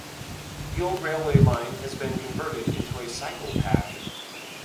The old railway line has been converted into a cycle path.